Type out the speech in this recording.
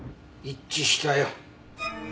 一致したよ。